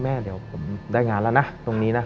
แม่เดี๋ยวผมได้งานแล้วนะตรงนี้นะ